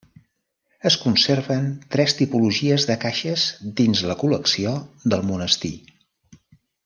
Es conserven tres tipologies de caixes dins la col·lecció del monestir.